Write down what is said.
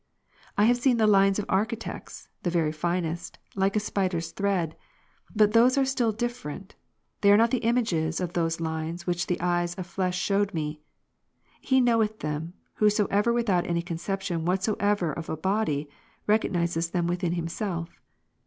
I have seen the lines of architects, the very finest, like a spiders thread ; but thoseare still different, they are not the images of those lines, which the eye of flesh shewed me : he knoweth them, whoso ever without any conception Mhatsoeverofabody, recognizes them within himself.